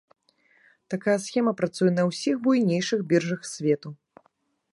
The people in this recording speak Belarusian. Такая схема працуе на усіх буйнейшых біржах свету.